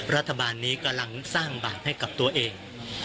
รัฐบาลนี้กำลังสร้างบาปให้กับตัวเอง